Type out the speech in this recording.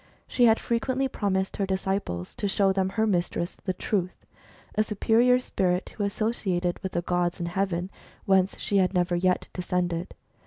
( She had frequently promised her disciples to show them her mistress, the Truth, a superior spirit who associated with the gods in heaven, whence she had never yet descended.